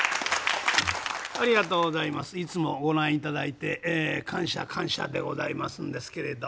いつもご覧いただいて感謝感謝でございますんですけれど。